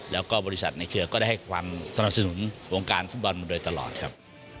แล้วก็บริษัทในเครือก็ได้ให้ความสนับสนุนวงการฟุตบอลมาโดยตลอดครับ